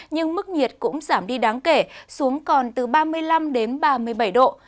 nhưng mức nhiệt cũng giảm đi đáng kể xuống còn từ ba mươi năm đến ba mươi bảy độ